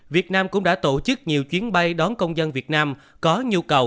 việt nam cũng đã tổ chức nhiều chuyến bay đón công dân việt nam có nhu cầu